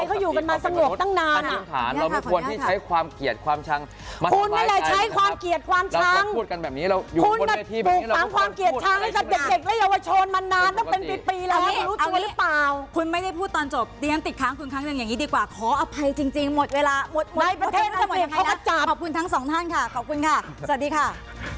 ขออนุญาตขออนุญาตขออนุญาตขออนุญาตขออนุญาตขออนุญาตขออนุญาตขออนุญาตขออนุญาตขออนุญาตขออนุญาตขออนุญาตขออนุญาตขออนุญาตขออนุญาตขออนุญาตขออนุญาตขออนุญาตขออนุญาตขออนุญาตขออนุญาตขออนุญาตขออน